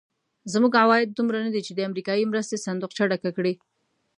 زموږ عواید دومره ندي چې د امریکایي مرستې صندوقچه ډکه کړي.